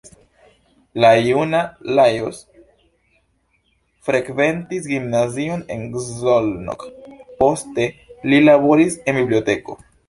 La juna Lajos frekventis gimnazion en Szolnok, poste li laboris en biblioteko.